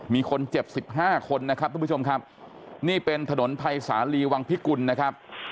มีคนเจ็บ๑๕คนนะครับทุกผู้ชมครับนี่เป็นถนนภัยสาลีวังพิกุลนะครับ